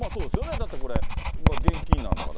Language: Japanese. だってこれ、現金なんだから。